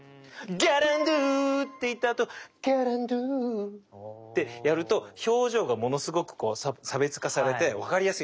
ギャランドゥ！って言ったあとギャランドゥってやると表情がものすごく差別化されて分かりやすいよね。